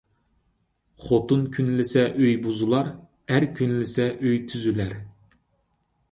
خوتۇن كۈنلىسە ئۆي بۇزۇلار، ئەر كۈنلىسە ئۆي تۈزۈلەر